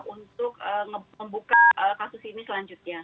untuk membuka kasus ini selanjutnya